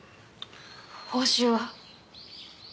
報酬は？